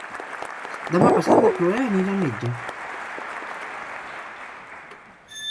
Demà passat na Cloè anirà al metge.